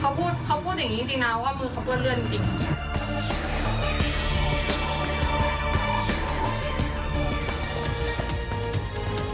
เขาพูดเขาพูดอย่างนี้จริงนะว่ามือเขาเปื้อนเลือดจริง